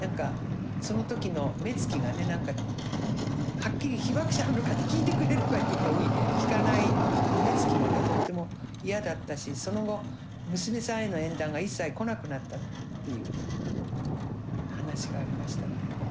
はっきり被爆者なのかって聞いてくれればいいのに聞かないあの目つきがとっても嫌だったしその後娘さんへの縁談が一切来なくなったっていう話がありましたね。